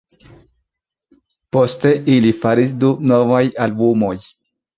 Poste ili faris du novaj albumoj.